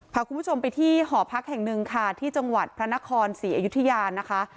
พาคุณผู้ชมไปที่หอพักแห่งหนึ่งค่ะที่จังหวัดพระนครศรีอยุธยานะคะ